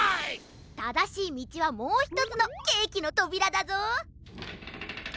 ただしいみちはもうひとつのケーキのとびらだぞ。